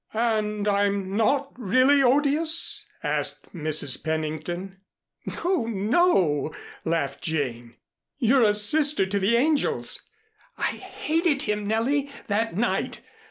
"And I'm not really 'odious'?" asked Mrs. Pennington. "No, no," laughed Jane. "You're a sister to the angels. I hated him, Nellie, that night.